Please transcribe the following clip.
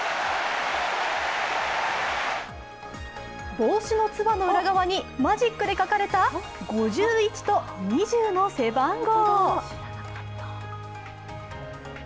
帽子のつばの裏側にマジックで書かれた５１と２０の背番号。